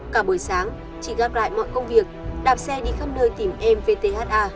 cả buổi sáng chị gạt lại mọi công việc đạp xe đi khắp nơi tìm em vtha